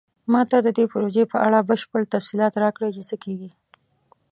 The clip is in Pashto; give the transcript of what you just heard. ما ته د دې پروژې په اړه بشپړ تفصیلات راکړئ چې څه کیږي